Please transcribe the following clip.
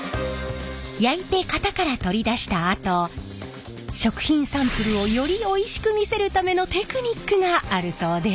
焼いて型から取り出したあと食品サンプルをよりおいしく見せるためのテクニックがあるそうで。